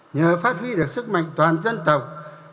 nhờ phát huy được sức mạnh toàn dân tộc